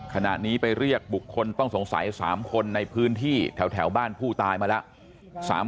ขณะนี้ไปเรียกบุคคลต้องสงสัย๓คนในพื้นที่แถวบ้านผู้ตายมาแล้ว